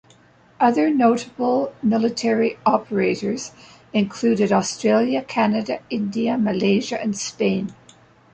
Other notable military operators included Australia, Canada, India, Malaysia and Spain.